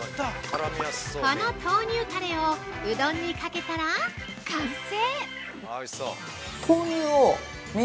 ◆この豆乳タレをうどんにかけたら完成！